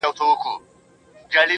هغه څه چې فایده پرې مرتبه نهوي